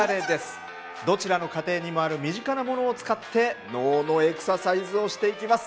どちらの家庭にもある身近なものを使って脳のエクササイズをしていきます。